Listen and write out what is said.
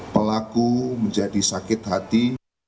pelaku menjadi sakit hati